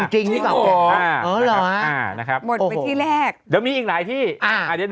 อ๋อจริงกล่าวแก่